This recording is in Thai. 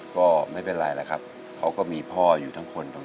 ก็ไม่เป็นไรแหละครับเขาก็มีพ่ออยู่ทั้งคนตรงนี้